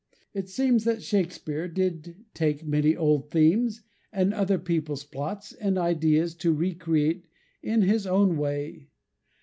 It seems that Shakespeare did take many old themes and other people's plots and ideas to re create in his own way.